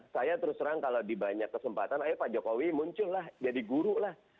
saya terus terang kalau di banyak kesempatan ayo pak jokowi muncul lah jadi guru lah